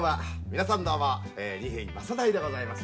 皆さんどうも、二瓶正也でございます。